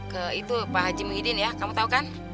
ke itu pak haji muhyiddin ya kamu tahu kan